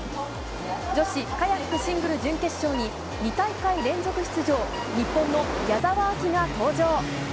女子カヤックシングル準決勝に、２大会連続出場、日本の矢澤亜季が登場。